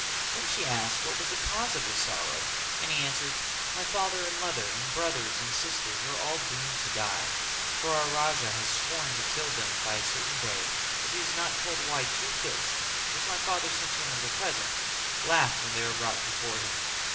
Then she asked what was the cause of his sorrow and he answered "My father and mother and brothers and sisters are all doomed to die; for our Raja has sworn to kill them by a certain day if he is not told why two fish, which my father sent to him as a present, laughed when they were brought before him.